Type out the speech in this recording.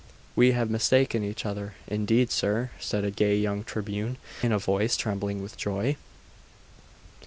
'We have mistaken each other, indeed, sir!' said a gay young Tribune, in a voice trembling with joy.